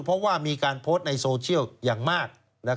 เพราะว่ามีการโพสต์ในโซเชียลอย่างมาก